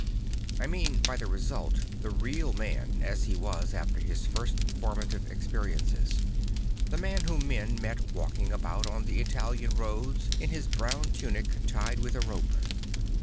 I mean by the result the real man as he was after his first forma ti ve experiences; the man whom men met walking about on the Italian roads in his brown tunic tied with a rope.